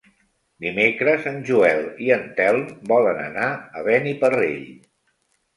Dimecres en Joel i en Telm volen anar a Beniparrell.